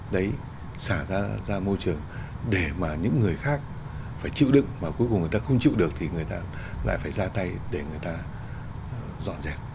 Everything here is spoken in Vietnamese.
đấy xả ra môi trường để mà những người khác phải chịu đựng mà cuối cùng người ta không chịu được thì người ta lại phải ra tay để người ta rõ rệt